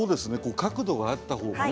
角度があった方がね。